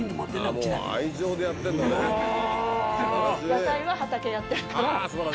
野菜は畑やってるから。